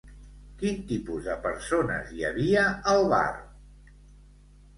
Quin tipus de persones hi havia, al bar?